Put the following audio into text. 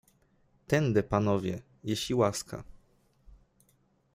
"Tędy, panowie, jeśli łaska."